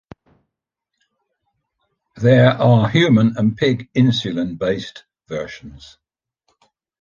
There are human and pig insulin based versions.